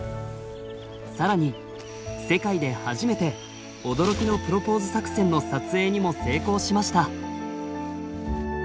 更に世界で初めて驚きのプロポーズ作戦の撮影にも成功しました。